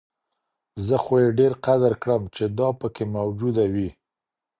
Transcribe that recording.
زه خو يې ډېر قدر كړم چي دا پكــــي مــوجـــوده وي